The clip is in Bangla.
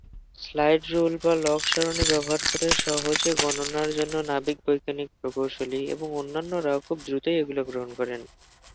স্লাইড রুল এবং লগ সারণি ব্যবহার করে সহজে গণনার জন্য নাবিক, বৈজ্ঞানিক, প্রকৌশলী এবং অন্যান্যরা খুব দ্রুতই এগুলো গ্রহণ করেন।